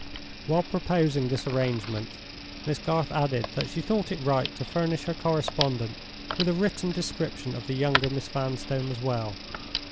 While proposing this arrangement, Miss Garth added that she thought it right to furnish her correspondent with a written description of the younger Miss Vanstone as well.